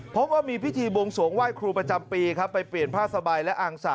พบว่ามีพิธีบวงสวงไหว้ครูประจำปีครับไปเปลี่ยนผ้าสบายและอังสะ